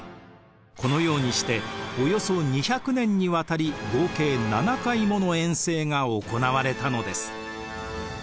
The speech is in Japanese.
このようにしておよそ２００年にわたり合計７回もの遠征が行われたのです。